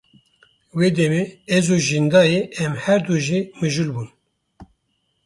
Wê demê ez û Jîndayê em her du ji mijûl bûn.